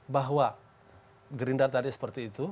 bahwa gerindra tadi seperti itu